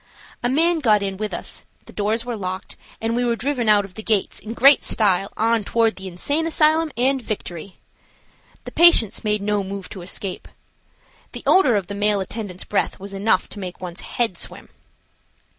A man got in with us, the doors were locked, and we were driven out of the gates in great style on toward the Insane Asylum and victory! The patients made no move to escape. The odor of the male attendant's breath was enough to make one's head swim.